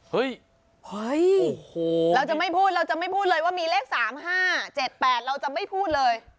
เฮ้ยเฮ้ยเราจะไม่พูดเราจะไม่พูดเลยว่ามีเลข๓๕๗๘เราจะไม่พูดเลย